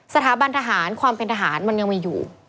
สถาบันทหารความเป็นทหารมันยังมีอยู่